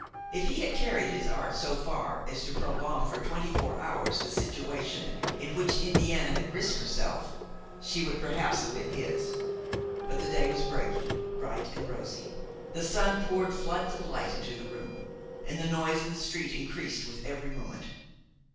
If he had carried his art so far as to prolong for twenty four hours the situation in which Indiana had risked herself, she would perhaps have been his. But the day was breaking, bright and rosy; the sun poured floods of light into the room, and the noise in the street increased with every moment.